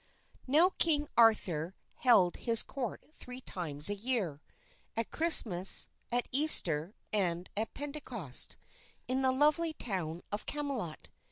Now King Arthur held his court three times a year, at Christmas, at Easter, and at Pentecost, in the lovely town of Camelot.